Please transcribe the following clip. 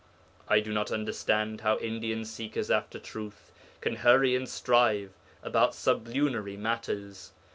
I do not understand how Indian seekers after truth can hurry and strive about sublunary matters.